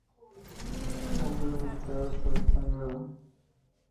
Murió debilitada por el sangrado.